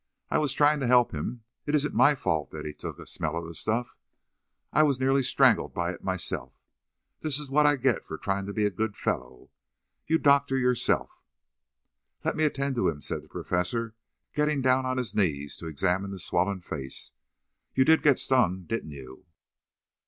"I was trying to help him. It isn't my fault that he took a smell of the stuff. I was nearly strangled by it myself. That is what I get for trying to be a good fellow. You doctor yourself." "Let me attend to him," said the Professor, getting down on his knees to examine the swollen face. "You did get stung, didn't you?"